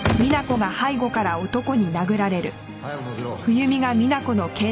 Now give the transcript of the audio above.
早く乗せろ。